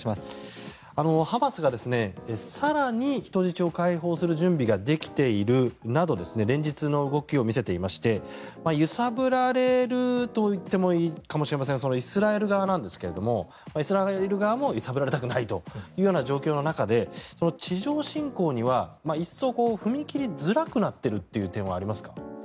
ハマスが更に人質を解放する準備ができているなど連日の動きを見せていまして揺さぶられると言ってもいいかもしれませんイスラエル側ですがイスラエル側も揺さぶられたくないという状況の中で地上侵攻には一層踏み切りづらくなっているという点はありますか？